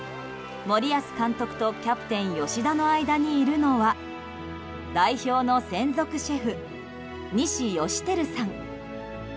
森保監督とキャプテン吉田の間にいるのは代表の専属シェフ西芳照さん。